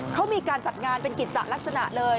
เขามีการจัดงานเป็นกิจจะลักษณะเลย